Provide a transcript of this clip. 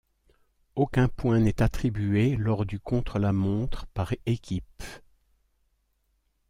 Aucun point n'est attribué lors du contre-la-montre par équipes.